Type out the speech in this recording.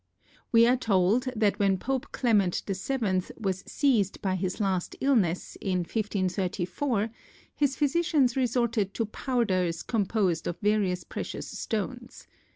We are told that when Pope Clement VII was seized by his last illness, in 1534, his physicians resorted to powders composed of various precious stones.